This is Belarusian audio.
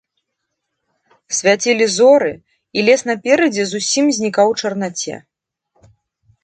Свяцілі зоры, і лес наперадзе зусім знікаў у чарнаце.